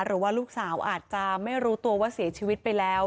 หรือว่าลูกสาวอาจจะไม่รู้ตัวว่าเสียชีวิตไปแล้ว